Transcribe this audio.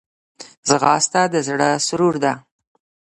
ځغاسته د زړه سرور ده